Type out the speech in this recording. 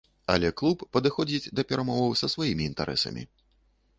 Але клуб падыходзіць да перамоваў са сваімі інтарэсамі.